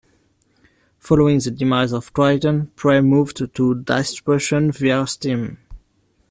Following the demise of Triton, "Prey" moved to distribution via Steam.